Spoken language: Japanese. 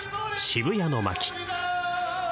渋谷の巻」